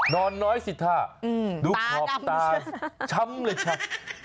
นอนน้อยสิท่าดูขอบตาช้ำเลยครับ